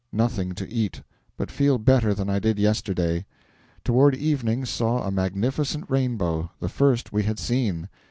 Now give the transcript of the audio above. NOTHING TO EAT, but feel better than I did yesterday. Toward evening saw a magnificent rainbow THE FIRST WE HAD SEEN.